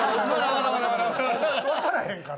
わからへんから。